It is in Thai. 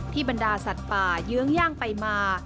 บรรดาสัตว์ป่าเยื้องย่างไปมา